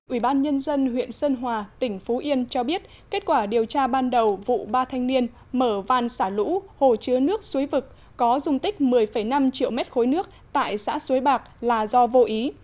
ủy ban nhân dân huyện sơn hòa tỉnh phú yên cho biết kết quả điều tra ban đầu vụ ba thanh niên mở van xả lũ hồ chứa nước suối vực có dung tích một mươi năm triệu mét khối nước tại xã suối bạc là do vô ý